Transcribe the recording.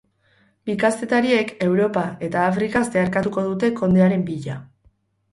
Bi kazetariek Europa eta Afrika zeharkatuko dute kondearen bila.